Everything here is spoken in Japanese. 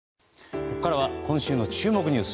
ここからは今週の注目ニュース